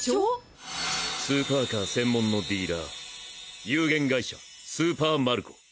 スーパーカー専門のディーラー有限会社スーパーマルコ。